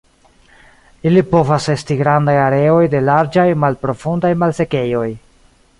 Ili povas esti grandaj areoj de larĝaj, malprofundaj malsekejoj.